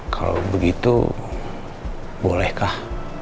kalau begitu bolehkah